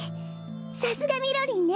さすがみろりんね！